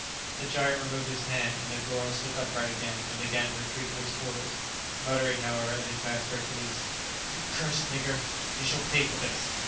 The giant removed his hand, and Negoro stood upright again, and began to retreat to his own quarters, muttering, however, as he passed Hercules, "You cursed nigger! You shall pay for this!"